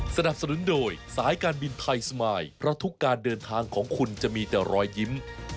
สนับสนุนโดยสายการบินไทยสมายเพราะทุกการเดินทางของคุณจะมีแต่รอยยิ้ม